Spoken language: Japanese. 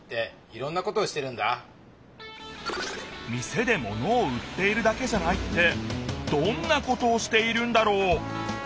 店で物を売っているだけじゃないってどんなことをしているんだろう？